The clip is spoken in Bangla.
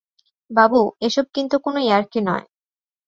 বাবু, এসব কিন্তু কোনো ইয়ার্কি নয়।